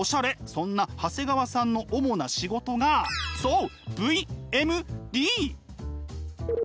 そんな長谷川さんの主な仕事がそう！